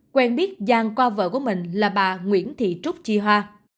quen biết giang qua vợ của mình là bà nguyễn thị trúc chi hoa